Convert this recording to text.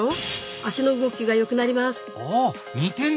足の動きがよくなります。